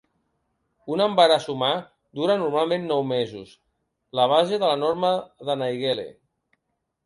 Un embaràs humà dura normalment nou mesos, la base de la norma de Naegele.